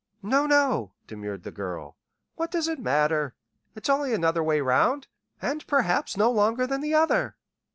"No, no," demurred the girl. "What does it matter? It's only another way around, and perhaps no longer than the other."